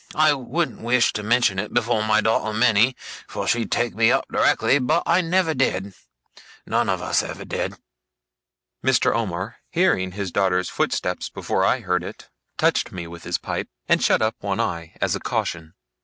I wouldn't wish to mention it before my daughter Minnie for she'd take me up directly but I never did. None of us ever did.' Mr. Omer, hearing his daughter's footstep before I heard it, touched me with his pipe, and shut up one eye, as a caution.